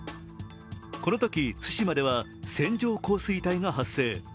このとき対馬では線状降水帯が発生。